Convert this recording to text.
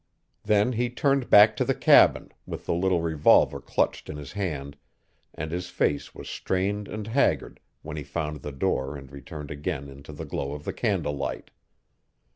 Then he turned back to the cabin, with the little revolver clutched in his hand, and his face was strained and haggard when he found the door and returned again into the glow of the candle light.